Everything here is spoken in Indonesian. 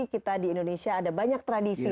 kita di indonesia ada banyak tradisi